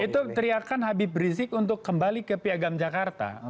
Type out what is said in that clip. itu teriakan habib rizik untuk kembali ke piagam jakarta